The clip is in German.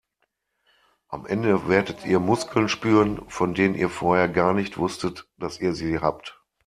Am Ende werdet ihr Muskeln spüren, von denen ihr vorher gar nicht wusstet, dass ihr sie habt.